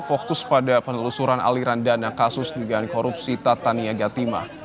fokus pada penelusuran aliran dana kasus dugaan korupsi tad tania gatimah